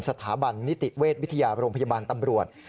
สถาบันนิติเวชวิทยาโรงพยาบาลตำรวจ